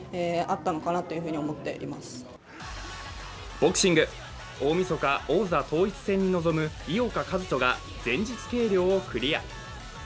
ボクシング、大みそか、王座統一戦に臨む井岡一翔が前日計量をクリア。